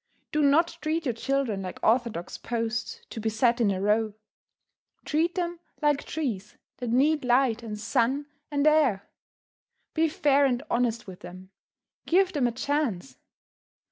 Do not treat your children like orthodox posts to be set in a row. Treat them like trees that need light and sun and air. Be fair and honest with them; give them a chance.